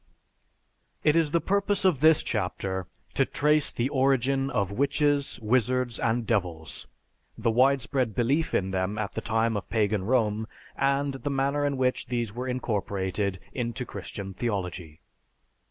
It is the purpose of this chapter to trace the origin of witches, wizards, and devils, the widespread belief in them at the time of pagan Rome, and the manner in which these were incorporated into Christian theology.